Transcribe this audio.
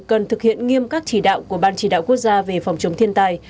cần thực hiện nghiêm các chỉ đạo của ban chỉ đạo quốc gia về phòng chống thiên tai